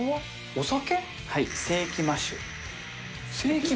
お酒？